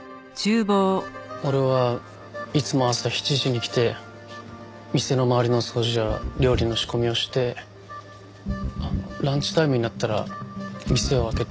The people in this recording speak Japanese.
俺はいつも朝７時に来て店の周りの掃除や料理の仕込みをしてランチタイムになったら店を開けて。